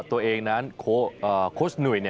ตัวเองนั้นโค้ชหนุ่ย